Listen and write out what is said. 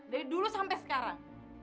dari dulu sampai sekarang